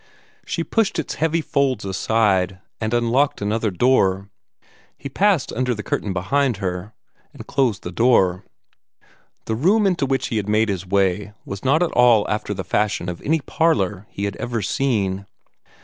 She pushed its heavy folds aside, and unlocked another door. He passed under the curtain behind her, and closed the door. The room into which he had made his way was not at all after the fashion of any parlor he had ever seen.